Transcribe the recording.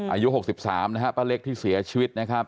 อายุ๖๓นะฮะป้าเล็กที่เสียชีวิตนะครับ